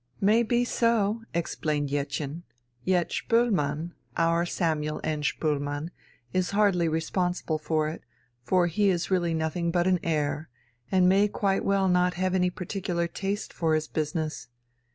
"May be so," explained Jettchen, "yet Spoelmann our Samuel N. Spoelmann is hardly responsible for it, for he is really nothing but an heir, and may quite well not have had any particular taste for his business.